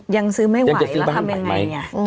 ยังซื้อไม่ไหวแล้วทำยังไง